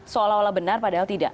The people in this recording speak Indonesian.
seolah olah benar padahal tidak